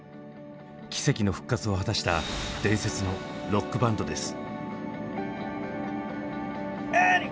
奇跡の復活を果たした伝説のロックバンドです。